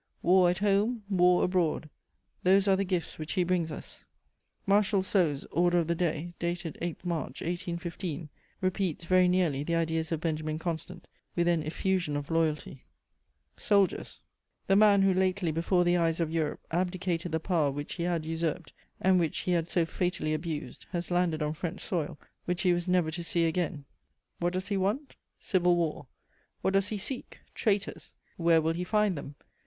War at home, war abroad: those are the gifts which he brings us." [Sidenote: Soult's order of the day.] Marshal Soult's Order of the Day, dated 8 March 1815, repeats very nearly the ideas of Benjamin Constant, with an effusion of loyalty: "SOLDIERS, "The man who lately, before the eyes of Europe, abdicated the power which he had usurped, and which he had so fatally abused, has landed on French soil, which he was never to see again. "What does he want? Civil war. What does he seek? Traitors. Where will he find them?